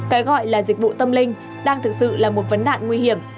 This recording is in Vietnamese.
cái gọi là dịch vụ tâm linh đang thực sự là một vấn nạn nguy hiểm